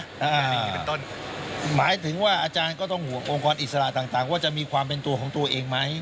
อันนี้เป็นต้นหมายถึงว่าอาจารย์ก็ต้องห่วงองค์กรอิสระต่างว่าจะมีความเป็นตัวของตัวเองไหม